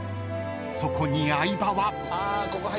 ［そこに相葉は］